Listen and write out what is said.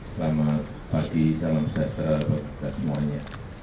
selamat pagi salam sejahtera buat kita semuanya